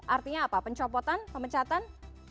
artinya apa pencopotan pemecatan